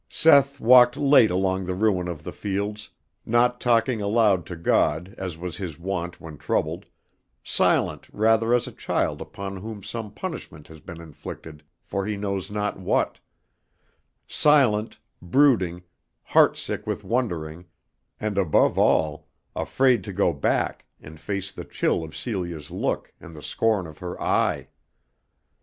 Seth walked late along the ruin of the fields, not talking aloud to God as was his wont when troubled, silent rather as a child upon whom some sore punishment has been inflicted for he knows not what, silent, brooding, heartsick with wondering, and above all, afraid to go back and face the chill of Celia's look and the scorn of her eye.